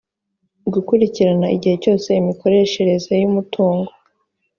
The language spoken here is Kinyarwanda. gukurikirana igihe cyose imikoreshereze y’umutungo